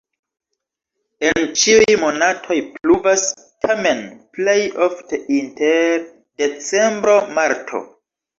En ĉiuj monatoj pluvas, tamen plej ofte inter decembro-marto.